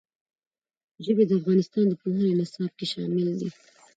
ژبې د افغانستان د پوهنې نصاب کې شامل دي.